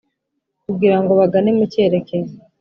kugira ngo bagane mu cyerekezo